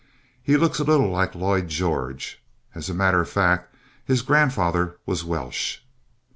He looks a little like Lloyd George. As a matter of fact, his grandfather was Welsh.